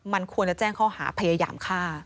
มันควรจะแจ้งข้อหาพยายามฆ่า